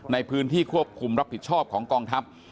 ในพื้นที่ควบคุมรับผิดชอบของกองทัพ